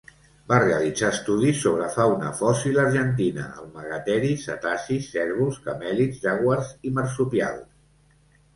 Va realitzar estudis sobre fauna fòssil argentina: el Megateri, cetacis, cérvols, camèlids, jaguars i marsupials.